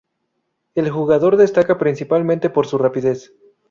El jugador destaca principalmente por su rapidez.